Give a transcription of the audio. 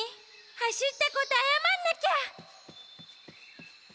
はしったことあやまんなきゃ！